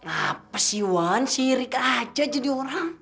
apa sih wan sirik aja jadi orang